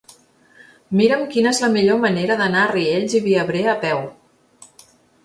Mira'm quina és la millor manera d'anar a Riells i Viabrea a peu.